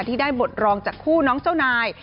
ที่ได้บทรองจากคู่น้องเจ้านาย